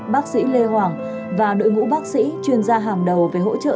bác sĩ lê hoàng và đội ngũ bác sĩ chuyên gia hàng đầu về hỗ trợ